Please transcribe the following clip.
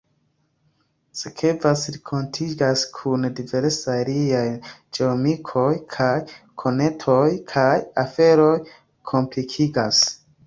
Sekvas renkontiĝoj kun diversaj liaj geamikoj kaj konatoj, kaj aferoj komplikiĝas.